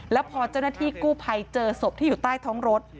แล้วพอเจ้าหน้าที่กู้ภัยเจอศพที่อยู่ใต้ท้องรถ